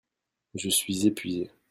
Je suis épuisé.